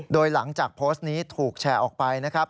โดยหลังจากโพสต์นี้ถูกแชร์ออกไปนะครับ